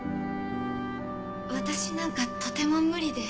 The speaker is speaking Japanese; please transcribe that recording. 私なんかとても無理で。